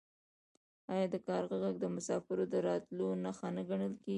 آیا د کارغه غږ د مسافر د راتلو نښه نه ګڼل کیږي؟